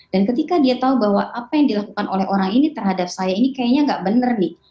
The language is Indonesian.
dan ketika dia tahu bahwa apa yang dilakukan oleh orang ini terhadap saya ini kayaknya tidak benar nih